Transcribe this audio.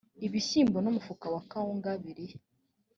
ibishyimbo nu umufuka wa kawunga birihe